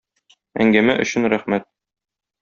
Әңгәмә өчен рәхмәт!